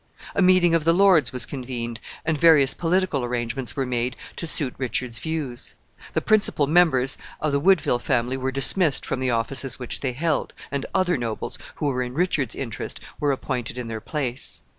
A meeting of the lords was convened, and various political arrangements were made to suit Richard's views. The principal members of the Woodville family were dismissed from the offices which they held, and other nobles, who were in Richard's interest, were appointed in their place.